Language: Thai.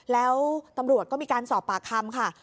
แล้วตำรวจก็มีการสอบปากคำค่ะ